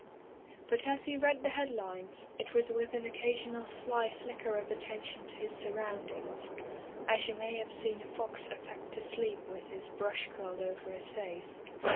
But as he read the headlines, it was with an occasional sly flicker of attention to his surroundings, as you may have seen a fox affect to sleep with his brush curled over his face.